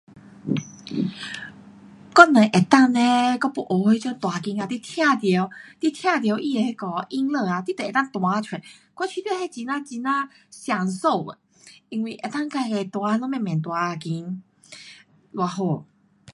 我若能够呢，我要学那种弹琴啊，你听到，你听到它的那个音乐啊，你就能够弹出，我觉得那很呐很呐想受啊。因为能够自自弹，咱慢慢弹琴，多好。